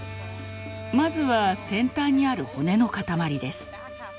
まずは先端にある骨の塊です。